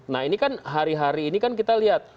nah ini kan hari hari ini kan kita lihat